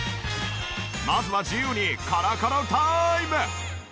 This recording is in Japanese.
まずは自由にコロコロタイム！